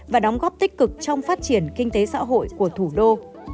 và đóng góp tích cực trong phát triển kinh tế xã hội của thủ đô